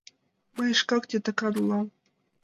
— Мый шкак титакан улам...